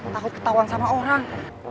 takut ketauan sama orang